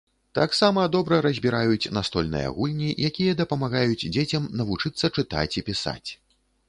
Таксама добра разбіраюць настольныя гульні, якія дапамагаюць дзецям навучыцца чытаць і пісаць.